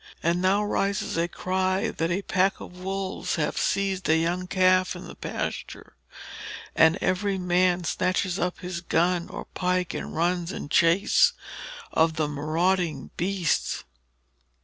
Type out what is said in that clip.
And now rises a cry, that a pack of wolves have seized a young calf in the pasture; and every man snatches up his gun or pike, and runs in chase of the marauding beasts.